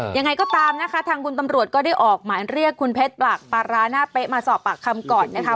ยังไงก็ตามนะคะทางคุณตำรวจก็ได้ออกหมายเรียกคุณเพชรปากปาราหน้าเป๊ะมาสอบปากคำก่อนนะคะ